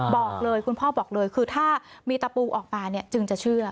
บอกเลยคุณพ่อบอกเลยคือถ้ามีตะปูออกมาเนี่ยจึงจะเชื่อ